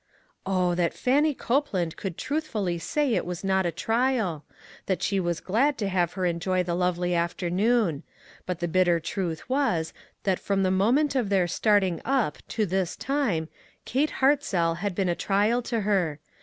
Oh! that Fannie Copeland could truthfully say it was not a trial; that she was glad to have her enjoy the lovely afternoon ; but the bitter truth was, that from the moment of their starting up to this time, Kate Hart zell had been a trial to her.